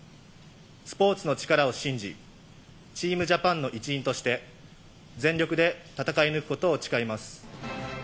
スポーツの力を信じ、チームジャパンの一員として、全力で戦い抜くことを誓います。